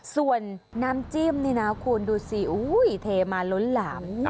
ส่วนน้ำจิ้มนี่นะคุณดูสิเทมาล้นหลาม